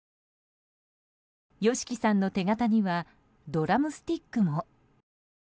ＹＯＳＨＩＫＩさんの手形にはドラムスティックも。